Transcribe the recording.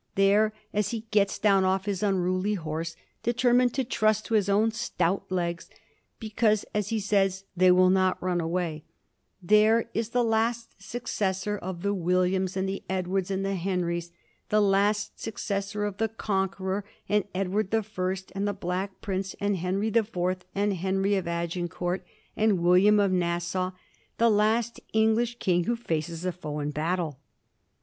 There, as he gets down off his unruly horse, determined to trust to his own stout legs — ^because, as he says, they will not run away — there is the last succes sor of the Williams, and the Edwards, and the Henrys; the last successor of the Conquerer, and Edward the First, and the Black Prince, and Henry the Fourth, and Henry of Agincourt, and William of Nassau ; the last English king who faces a foe in battle.